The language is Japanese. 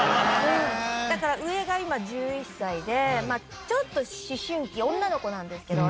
だから上が今１１歳でちょっと思春期女の子なんですけど。